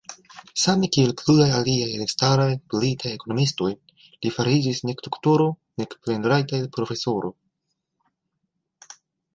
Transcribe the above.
Same kiel pluraj aliaj elstaraj britaj ekonomikistoj, li fariĝis nek doktoro nek plenrajta profesoro.